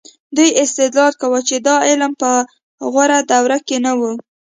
دوی استدلال کاوه چې دا علم په غوره دوره کې نه و.